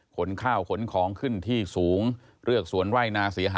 ขนข้าวขนของขึ้นที่สูงเลือกสวนไร่นาเสียหาย